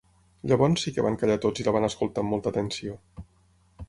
Llavors sí que van callar tots i la van escoltar amb molta atenció.